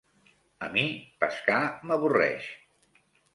A mi, pescar m'avorreix.